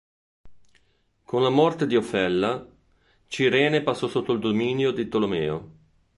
Con la morte di Ofella, Cirene passò sotto il dominio di Tolomeo.